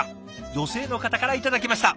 女性の方から頂きました。